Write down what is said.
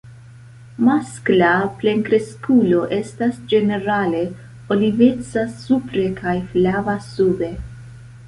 Maskla plenkreskulo estas ĝenerale oliveca supre kaj flava sube.